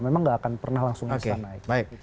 memang nggak akan pernah langsungnya setan naik